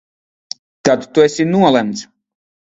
Tad tu esi nolemts!